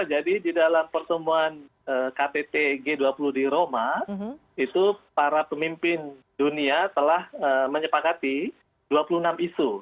jadi di dalam pertemuan kttg dua puluh di roma para pemimpin dunia telah menyepakati dua puluh enam isu